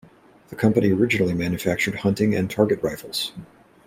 The company originally manufactured hunting and target rifles.